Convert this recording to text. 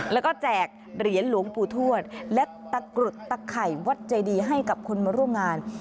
แล้วก็แจกเหรียญหลวงปู่ทวดและตะกรุดตะไข่วัดเจดีให้กับคนมาร่วมงาน